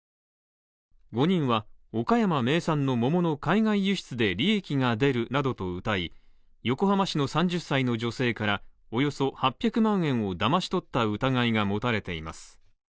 ５人は、岡山名産の桃の海外輸出で利益が出るなどと謳い、横浜市の３０歳の女性からおよそ８００万円をだまし取った疑いが持たれています。